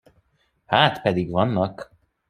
Hát, pedig vannak.